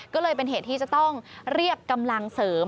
ก็เลยเป็นเหตุที่จะต้องเรียกกำลังเสริม